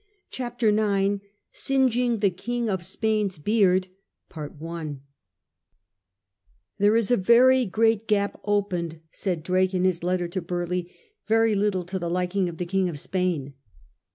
CHAPTER IX SINGEING THE KING OP SPAIN'S BEAED " There is a very great gap opened," said Drake in his letter to Burleigh, "very little to the liking of the King of Spain."